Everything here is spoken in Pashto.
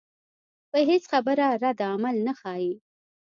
پۀ هېڅ خبره ردعمل نۀ ښائي